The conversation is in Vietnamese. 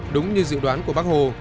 đúng như dự đoán của bác hồ